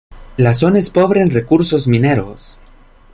La zona es pobre en recursos mineros.